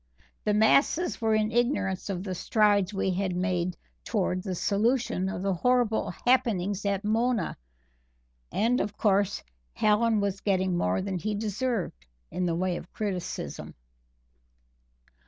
The masses were in ignorance of the strides we had made twards the solution of the horrible happenings at Mona, and, of course, Hallen was getting more than he deserved in the way of criticism.